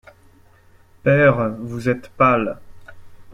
Père, vous êtes pâle.